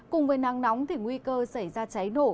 cùng với nắng nóng thì nguy cơ xảy ra cháy nổ